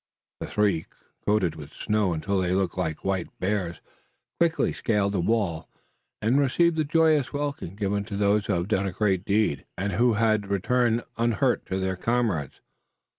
The three, coated with snow until they looked like white bears, quickly scaled the wall, and received the joyous welcome, given to those who have done a great deed, and who return unhurt to their comrades.